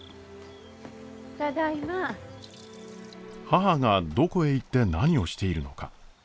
母がどこへ行って何をしているのか。